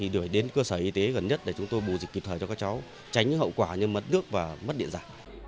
gửi đến cơ sở y tế gần nhất để chúng tôi bù dịch kịp thời cho các cháu tránh hậu quả như mất nước và mất địa giả